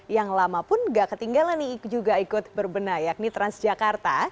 yang lama pun gak ketinggalan nih juga ikut berbenah yakni transjakarta